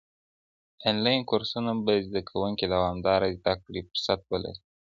انلاين کورسونه به زده کوونکي د دوامداره زده کړې فرصت ولري.